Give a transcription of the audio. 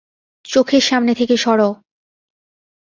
চোখের সামনে থেকে সরো।